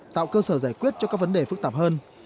tạo cơ sở giải quyết cho các vấn đề phức tạp hơn